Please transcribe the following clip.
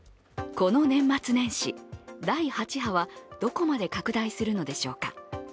この年末年始に、第８波はどこまで拡大するのでしょうか。